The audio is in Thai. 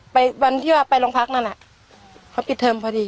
วันที่ว่าไปโรงพักนั่นน่ะเขาปิดเทอมพอดี